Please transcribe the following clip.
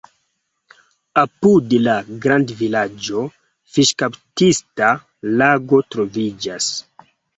Apud la grandvilaĝo fiŝkaptista lago troviĝas.